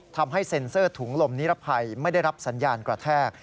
ทำให้เซ็นเซอร์ถุงลมนิรภัยไม่ได้รับสัญญาณกระแทก